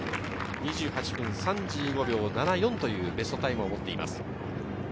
２８分３５秒７４というベストタイムを持っています。